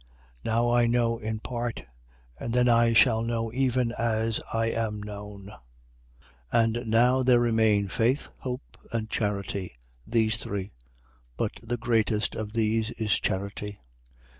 Now I know in part: but then I shall know even as I am known. 13:13. And now there remain faith, hope, and charity, these three: but the greatest of these is charity.